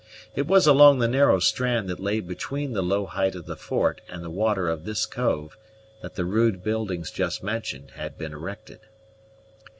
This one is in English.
It was along the narrow strand that lay between the low height of the fort and the water of this cove, that the rude buildings just mentioned had been erected.